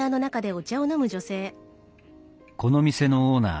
この店のオーナー